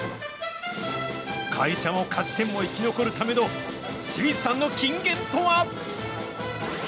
会社も菓子店も生き残るための清水さんの金言とは。